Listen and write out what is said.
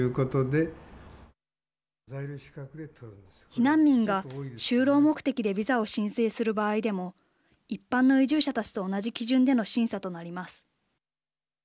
避難民が就労目的でビザを申請する場合でも一般の移住者たちと同じ基準での審査となります。